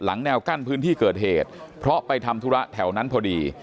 แนวกั้นพื้นที่เกิดเหตุเพราะไปทำธุระแถวนั้นพอดี